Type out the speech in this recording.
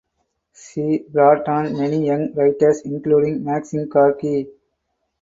She brought on many young writers including Maxim Gorky.